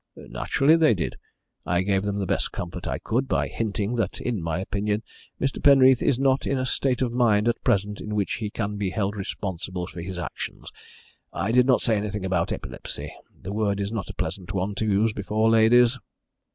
"Naturally they did. I gave them the best comfort I could by hinting that in my opinion Mr. Penreath is not in a state of mind at present in which he can be held responsible for his actions. I did not say anything about epilepsy the word is not a pleasant one to use before ladies."